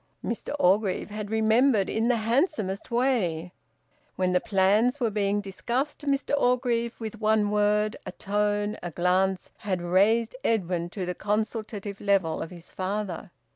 Mr Orgreave had remembered in the handsomest way. When the plans were being discussed, Mr Orgreave with one word, a tone, a glance, had raised Edwin to the consultative level of his father.